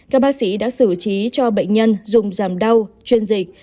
các bác sĩ đã xử trí cho bệnh nhân dùng giảm đau chuyên dịch